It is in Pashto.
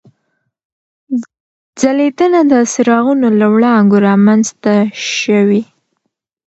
ځلېدنه د څراغونو له وړانګو رامنځته شوې.